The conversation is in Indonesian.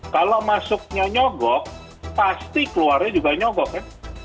kalau masuknya nyogok pasti keluarnya juga nyogok kan